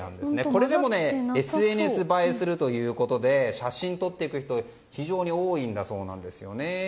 これでもねＳＮＳ映えするということで写真を撮る人が非常に多いそうなんです。